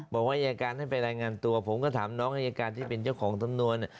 บอกว่าอายการให้ไปรายงานตัวผมก็ถามน้องอายการที่เป็นเจ้าของสำนวน